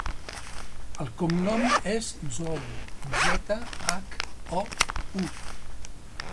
El cognom és Zhou: zeta, hac, o, u.